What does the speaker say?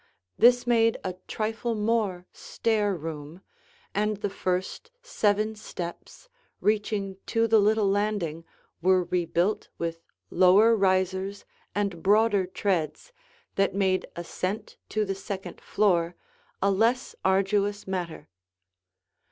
This made a trifle more stair room, and the first seven steps reaching to the little landing were rebuilt with lower risers and broader treads that made ascent to the second floor a less arduous matter.